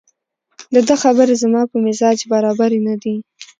دده خبرې زما په مزاج برابرې نه دي